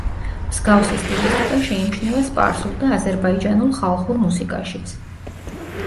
მსგავსი სტილისტიკა შეიმჩნევა სპარსულ და აზერბაიჯანულ ხალხურ მუსიკაშიც.